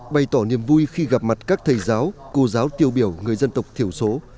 bày tỏ niềm vui khi gặp mặt các thầy giáo cô giáo tiêu biểu người dân tộc thiểu số